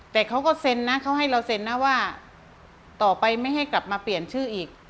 แต่เขาก็เซ็นนะเขาให้เราเซ็นนะว่าต่อไปไม่ให้กลับมาเปลี่ยนชื่ออีก